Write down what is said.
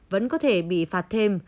vẫn có thể bị phạt thêm